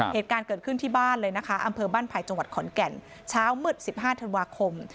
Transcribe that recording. เหตุการณ์เกิดขึ้นที่บ้านเลยนะคะอำเภอบ้านไผ่จังหวัดขอนแก่นเช้ามืด๑๕ธันวาคม